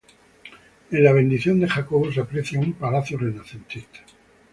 En La bendición de Jacobo se aprecia un palacio renacentista.